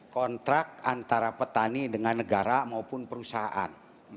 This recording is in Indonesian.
kontrak antara petani dengan negara maupun perusahaan